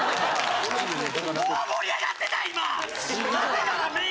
もう盛り上がってた今。